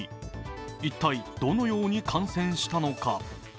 一体、どのように感染したのか。